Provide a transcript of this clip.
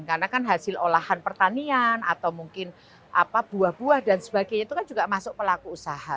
karena kan hasil olahan pertanian atau mungkin buah buah dan sebagainya itu kan juga masuk pelaku usaha